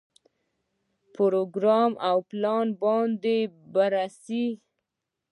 په پروګرام او پلان باندې بررسي.